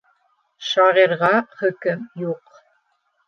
Шағирға хөкөм юҡ.